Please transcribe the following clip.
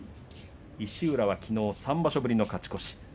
石浦はきのう３場所ぶりの勝ち越し。